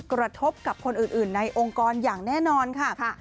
กระทบกับคนอื่นในองค์กรอย่างแน่นอนค่ะ